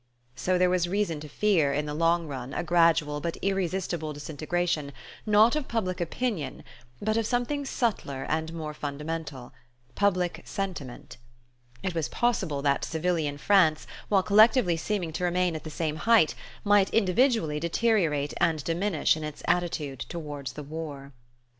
So there was reason to fear, in the long run, a gradual but irresistible disintegration, not of public opinion, but of something subtler and more fundamental: public sentiment. It was possible that civilian France, while collectively seeming to remain at the same height, might individually deteriorate and diminish in its attitude toward the war.